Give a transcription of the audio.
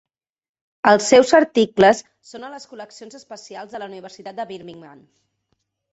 Els seus articles són a les col·leccions especials de la Universitat de Birmingham.